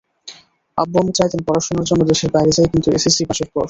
আব্বু-আম্মু চাইতেন পড়াশোনার জন্য দেশের বাইরে যাই, কিন্তু এসএসসি পাসের পর।